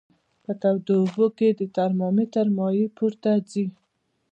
په تودو اوبو کې د ترمامتر مایع پورته ځي.